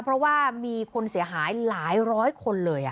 เพราะว่ามีคนเสียหายหลายร้อยคนเลย